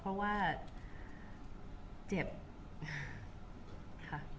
คุณผู้ถามเป็นความขอบคุณค่ะ